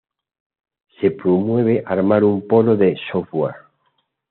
Se promueve armar un Polo de Software.